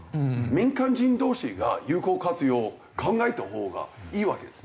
民間人同士が有効活用を考えたほうがいいわけですよ。